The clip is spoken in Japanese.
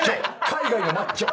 海外のマッチョ！